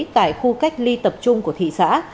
tại khu cách ly tập trung của thị xã